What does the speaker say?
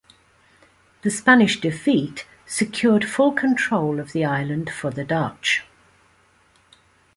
The Spanish defeat secured full control of the island for the Dutch.